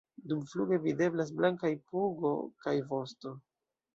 Dumfluge videblas blankaj pugo kaj vosto.